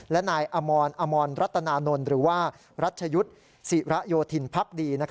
และนายอมอนอมอนรัตนานนหรือว่ารัชยุศิระโยธินภัพดี